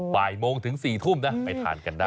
บ่ายโมงถึง๔ทุ่มนะไปทานกันได้